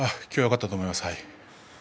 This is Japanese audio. きょうはよかったと思います。